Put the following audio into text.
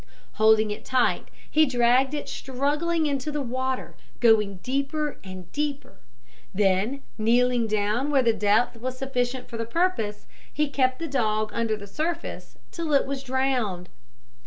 Holding it tight, he dragged it struggling into the water, going in deeper and deeper; then kneeling down where the depth was sufficient for the purpose, he kept the dog under the surface till it was drowned.